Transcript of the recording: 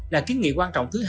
là kiến nghị quan trọng thứ hai